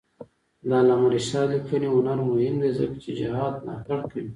د علامه رشاد لیکنی هنر مهم دی ځکه چې جهاد ملاتړ کوي.